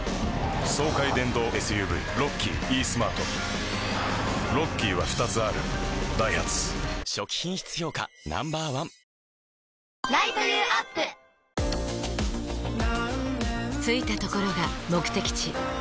爽快電動ＳＵＶロッキーイースマートロッキーは２つあるダイハツ初期品質評価Ｎｏ．１着いたところが目的地